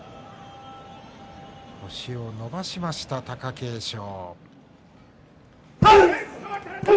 星を伸ばしました貴景勝。